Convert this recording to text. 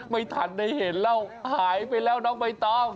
ไม่ทันได้เห็นแล้วหายไปแล้วน้องใบตอง